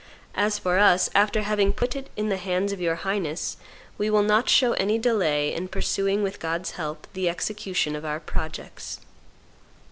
As for us, after having put it in the hands of your highness, we will not show any delay in pursuing, with God's help, the execution of our projects."